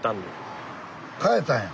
変えたんや。